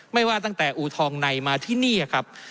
ไม่ว่าตั้งแต่อูทองในมาที่นี่ครับ